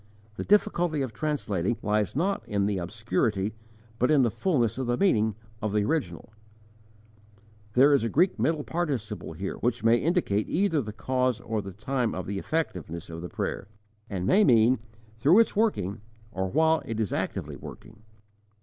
The difficulty of translating lies not in the obscurity but in the fulness of the meaning of the original. There is a Greek middle participle here (Transcriber's note: The Greek word appears here in parentheses), which may indicate "either the cause or the time of the effectiveness of the prayer," and may mean, through its working, or while it is actively working.